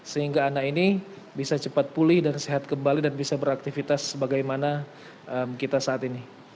sehingga anak ini bisa cepat pulih dan sehat kembali dan bisa beraktivitas sebagaimana kita saat ini